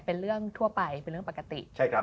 เป็นเรื่องทั่วไปเป็นเรื่องปกติ